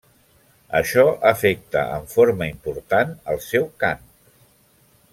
Això afecta en forma important el seu cant.